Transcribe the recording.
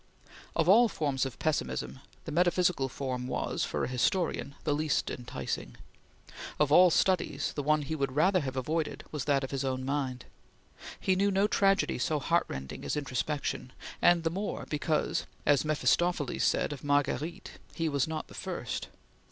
Of all forms of pessimism, the metaphysical form was, for a historian, the least enticing. Of all studies, the one he would rather have avoided was that of his own mind. He knew no tragedy so heartrending as introspection, and the more, because as Mephistopheles said of Marguerite he was not the first.